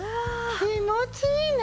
気持ちいいね！